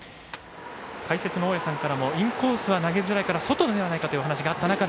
解説の大矢さんからもインコースは投げづらいから外じゃないかという話があった中で。